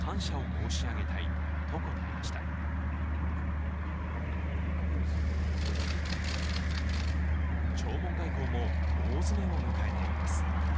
弔問外交も大詰めを迎えています。